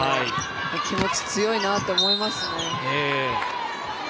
気持ちが強いなと思いますね。